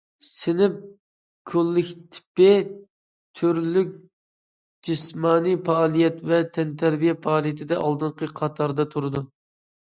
سىنىپ كوللېكتىپى تۈرلۈك جىسمانىي پائالىيەت ۋە تەنتەربىيە پائالىيىتىدە ئالدىنقى قاتاردا تۇرىدۇ.